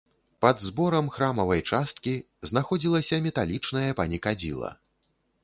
Пад зборам храмавай часткі знаходзілася металічнае панікадзіла.